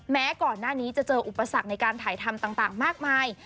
แม้ก่อนหน้านี้จะเจออุปสรรคในการถ่ายทำต่างมากมาย